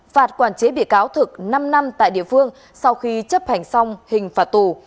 phạt quản chế bị cáo thực năm năm tại địa phương sau khi chấp hành xong hình phạt tù